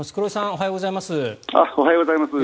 おはようございます。